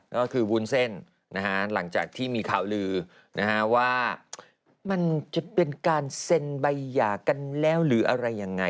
ก็คือวุ้นเส้นหลังจากที่มีข่าวลือนะฮะว่ามันจะเป็นการเซ็นใบหย่ากันแล้วหรืออะไรยังไง